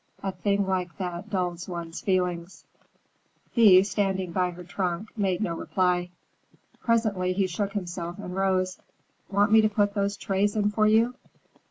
A thing like that dulls one's feelings." Thea, standing by her trunk, made no reply. Presently he shook himself and rose. "Want me to put those trays in for you?"